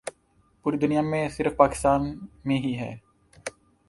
پوری دنیا میں صرف پاکستان میں ہی ہیں ۔